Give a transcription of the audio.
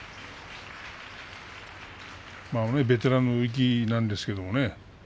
ベテランの域なんですけどね。